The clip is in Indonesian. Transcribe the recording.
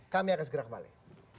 kami akan segera kembali